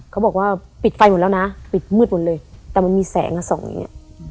เขาบอกว่าปิดไฟหมดแล้วนะปิดมืดหมดเลยแต่มันมีแสงอะส่องอย่างเงี้ย